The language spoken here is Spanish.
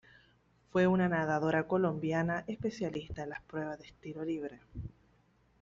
Fue una nadadora Colombiana especialista en las pruebas de estilo Libre.